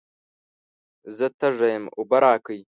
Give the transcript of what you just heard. زه تږی یم، اوبه راکئ.